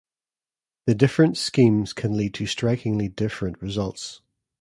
The different schemes can lead to strikingly different results.